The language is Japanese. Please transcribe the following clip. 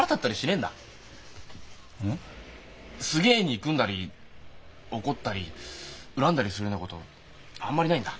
すげえ憎んだり怒ったり恨んだりするようなことあんまりないんだ。